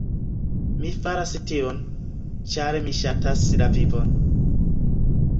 Mi faras tion, ĉar mi ŝatas la vivon!